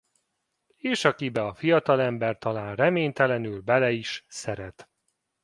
És akibe a fiatalember talán reménytelenül bele is szeret.